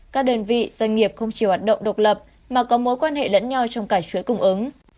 các đơn vị doanh nghiệp không chỉ hoạt động độc lập mà có mối quan hệ lẫn nhau trong cả chuỗi cung ứng